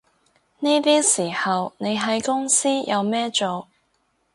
呢啲時候你喺公司有咩做